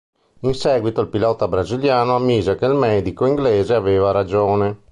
In seguito il pilota brasiliano ammise che il medico inglese aveva ragione.